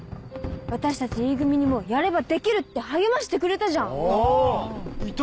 私たちＥ組にも「やればできる」って励ましてくれたじゃんああいたいた！